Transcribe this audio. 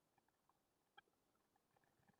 نه نه مطلب مې دا نه و.